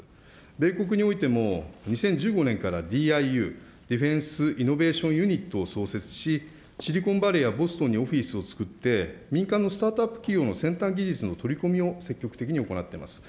米国においても、２０１５年からＤＩＵ・ディフェンス・イノベーション・ユニットを創設し、シリコンバレーやボストンにオフィスを作って民間のスタートアップ企業の先端技術の取り込みを積極的に行ってます。